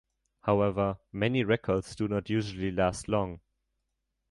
However, many records do not usually last long.